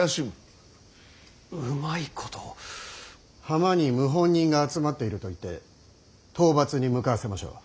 浜に謀反人が集まっていると言って討伐に向かわせましょう。